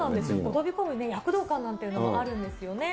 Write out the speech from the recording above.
飛び込む躍動感なんていうのがあるんですよね。